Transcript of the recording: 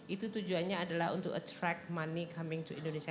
itu tujuannya adalah untuk attract money coming to indonesia